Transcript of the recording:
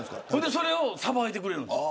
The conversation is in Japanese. それを、さばいてくれるの。